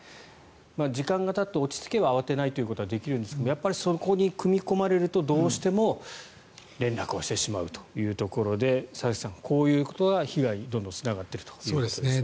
時間がたって落ち着けば慌てないということができるんですがそこに組み込まれるとやっぱり、どうしても連絡をしてしまうというところで佐々木さん、こういうことが被害にどんどんつながっていくということですね。